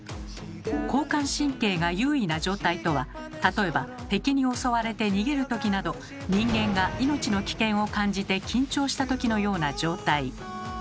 交感神経が優位な状態とは例えば敵に襲われて逃げるときなど人間が命の危険を感じて緊張したときのような状態。